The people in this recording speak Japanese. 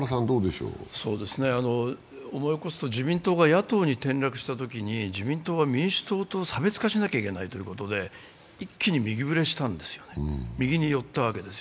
思い起こすと自民党が野党に転落したときに自民党は民主党と差別化しなければいけないということで一気に右ぶれしたんですよね、右に寄ったんです。